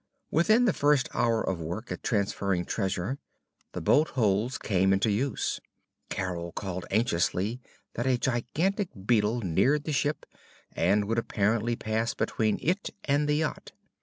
Within the first hour of work at transferring treasure, the bolt holes came into use. Carol called anxiously that a gigantic beetle neared the ship and would apparently pass between it and the yacht.